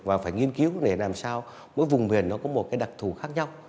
và phải nghiên cứu để làm sao mỗi vùng miền nó có một cái đặc thù khác nhau